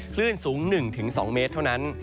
คลื่นสูง๑๒เมตรเท่านั้น